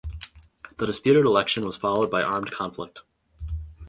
The disputed election was followed by armed conflict.